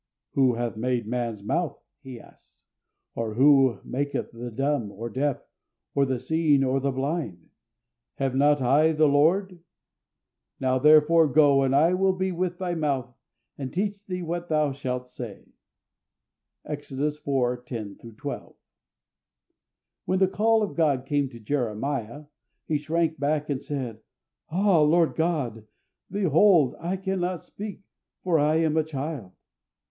"Who hath made man's mouth?" He asks, "or who maketh the dumb, or deaf, or the seeing, or the blind? have not I the Lord? Now, therefore, go, and I will be with thy mouth, and teach thee what thou shalt say" (Exodus iv. 10 12). When the call of God came to Jeremiah, he shrank back, and said, "Ah, Lord God! behold, I cannot speak: for I am a child."